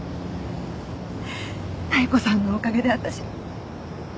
妙子さんのおかげで私。